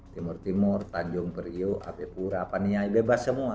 timur timur tanjung periuk apikura paniay bebas semua